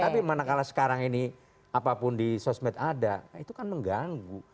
tapi manakala sekarang ini apapun di sosmed ada itu kan mengganggu